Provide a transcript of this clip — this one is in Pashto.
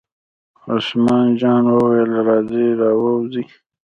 عثمان جان وویل: راځئ را ووځئ.